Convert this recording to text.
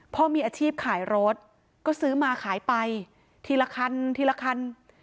พ่อมีอาชีพขายรถก็ซื้อมาขายไปทีละคันทีละคัน